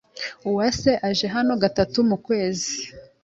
Uwase aje hano gatatu mu kwezi.